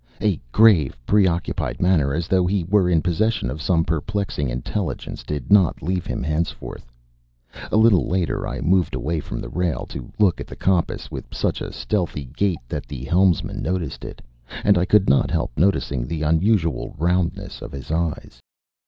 A grave, preoccupied manner, as though he were in possession of some perplexing intelligence, did not leave him henceforth. A little later I moved away from the rail to look at the compass with such a stealthy gait that the helmsman noticed it and I could not help noticing the unusual roundness of his eyes.